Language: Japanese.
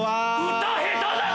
歌下手だな！